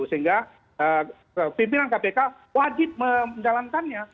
sehingga pimpinan kpk wajib menjalankannya